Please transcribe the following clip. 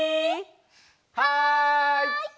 はい！